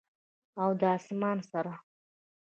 او د اسمان سره،